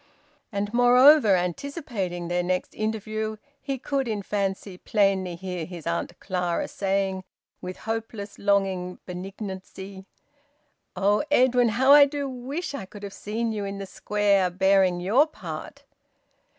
And moreover, anticipating their next interview, he could, in fancy, plainly hear his Aunt Clara saying, with hopeless, longing benignancy: "Oh, Edwin, how I do wish I could have seen you in the Square, bearing your part!"